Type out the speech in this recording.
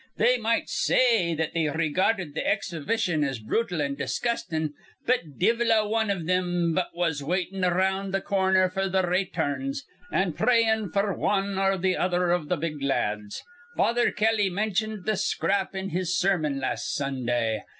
They might say that they re garded th' exhibition as brutal an' disgustin', but divvle a wan iv thim but was waitin' around th' corner f'r th' rayturns, an' prayin' f'r wan or th' other iv th' big lads. Father Kelly mentioned th' scrap in his sermon last Sundah.